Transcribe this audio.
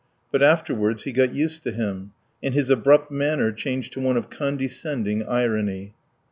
But afterwards he got used to him, and his abrupt manner changed to one of condescending irony.